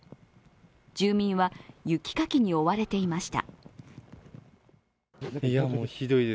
住民は雪かきに追われていました。